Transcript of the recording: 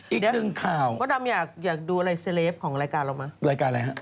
อีกหนึ่งข่าวเดี๋ยวโปรดัมอยากดูอะไรเซเลฟของรายการเรามั้ย